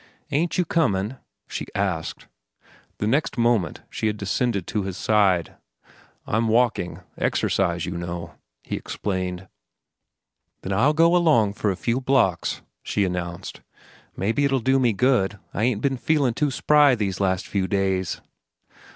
"Ain't you comin'?" she asked The next moment she had descended to his side. "I'm walking—exercise, you know," he explained. "Then I'll go along for a few blocks," she announced. "Mebbe it'll do me good. I ain't ben feelin' any too spry these last few days."